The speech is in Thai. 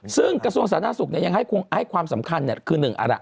ซึ่งกระทรวงสถานศักดิ์สุขยังให้ความสำคัญคือหนึ่ง